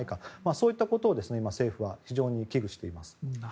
そういったことを政府は非常に危惧しています。